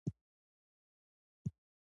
ښايسته نازكي ګوتې دې قلم سره جوړیږي.